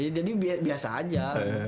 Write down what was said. iya jadi biasa saja